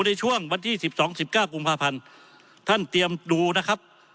ในช่วงวันที่๑๒๑๙กรุงภาพันธุ์ท่านเตรียมดูนะครับ